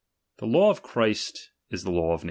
The law of Christ ia the law of 1.